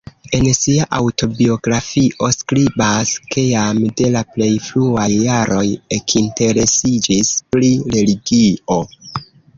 En sia aŭtobiografio skribas, ke jam de la plej fruaj jaroj ekinteresiĝis pri religio.